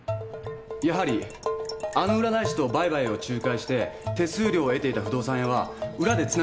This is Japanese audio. やはりあの占い師と売買を仲介して手数料を得ていた不動産屋は裏でつながっていました。